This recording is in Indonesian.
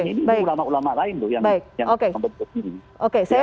ini ulama ulama lain yang membentuk ini